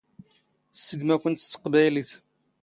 ⵜⵙⵙⴳⵎⴰ ⴽⵯⵏⵜ ⵜⵏ ⵙ ⵜⵇⴱⴰⵢⵍⵉⵜ.